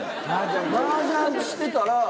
マージャンしてたら。